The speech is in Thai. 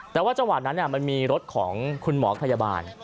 แต่ว่าจังหวะนั้นมันมีรถของคุณหมอพยาบาล